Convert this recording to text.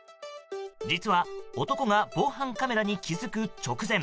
実は男が防犯カメラに気づく直前